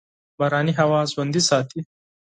باراني هوا ژوندي ساتي.